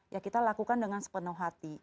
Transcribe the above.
ya kita lakukan dengan sepenuh hati